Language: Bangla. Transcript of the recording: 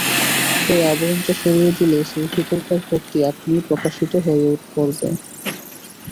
ঐ আবরণটা সরিয়ে দিলে সেই ভিতরকার ভক্তি আপনিই প্রকাশিত হয়ে পড়বে।